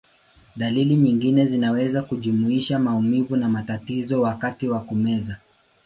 Dalili nyingine zinaweza kujumuisha maumivu na matatizo wakati wa kumeza.